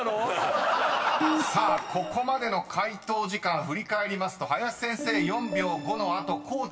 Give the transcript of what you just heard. ［さあここまでの解答時間振り返りますと林先生４秒５の後こうちゃん３２秒８７］